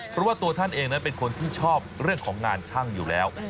เพราะว่าตัวท่านเองนั้นเป็นคนที่ชอบเรื่องของงานช่างอยู่แล้ว